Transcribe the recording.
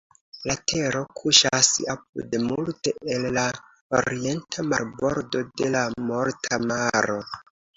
La tero kuŝas apud multe el la orienta marbordo de la Morta Maro.